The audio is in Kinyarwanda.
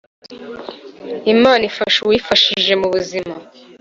Imana ifasha uwifashije mu buzima.